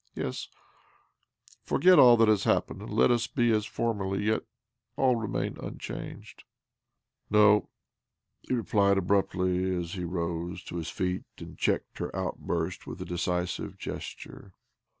Yes, forget all that has happened, and let us be as formerly. — let all remain unchanged." " No," he replied, as abruptly he rose to his feet and checked hier outburst with a decisive gesture.